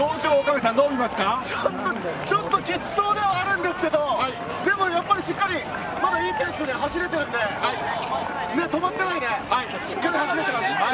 ちょっときつそうではあるんですけどいいペースで走れているので止まらないでしっかり走れています。